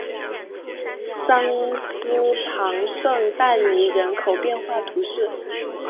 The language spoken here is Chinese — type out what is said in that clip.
桑斯旁圣但尼人口变化图示